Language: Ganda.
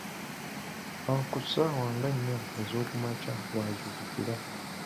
Awo ku ssaawa nga nnya ez’okumakya w’azuukukira.